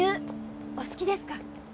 お好きですか？